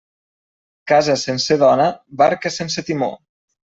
Casa sense dona, barca sense timó.